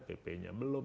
pp nya belum